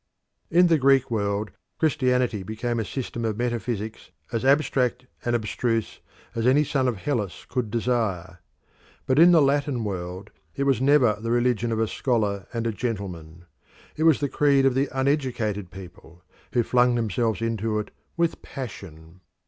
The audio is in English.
In the Greek world Christianity became a system of metaphysics as abstract and abstruse as any son of Hellas could desire. But in the Latin world it was never the religion of a scholar and a gentleman. It was the creed of the uneducated people, who flung themselves into it with passion.